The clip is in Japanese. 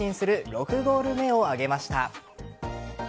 ６ゴール目を挙げました。